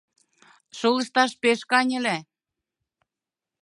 Шолышташ пеш каньыле.